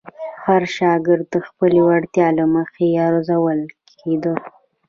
هر شاګرد د خپلې وړتیا له مخې ارزول کېده.